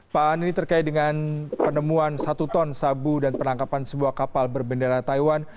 pak an ini terkait dengan penemuan satu ton sabu dan penangkapan sebuah kapal berbendera taiwan